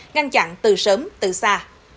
ngăn chặn từ sớm từ xa